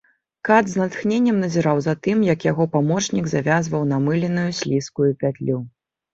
Кат з натхненнем назіраў за тым, як яго памочнік завязваў намыленую, слізкую пятлю.